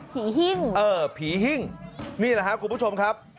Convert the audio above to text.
ครับผีหิ้งนี่หรือครับคุณผู้ชมครับ